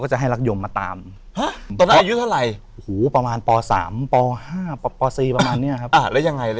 อ่าแล้วยังไงแล้วยังไง